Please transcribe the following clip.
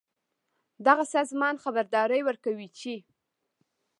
دغه سازمان خبرداری ورکوي چې